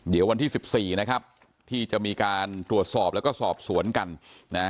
เดี๋ยววันที่สิบสี่นะครับที่จะมีการตรวจสอบแล้วก็สอบสวนกันนะ